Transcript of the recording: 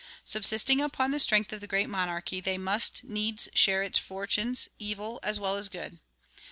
Subsisting upon the strength of the great monarchy, they must needs share its fortunes, evil as well as good.